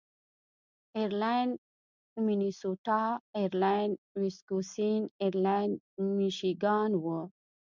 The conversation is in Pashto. ایرلنډ مینیسوټا، ایرلنډ ویسکوسین، ایرلنډ میشیګان و.